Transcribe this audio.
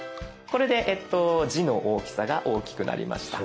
これで字の大きさが大きくなりました。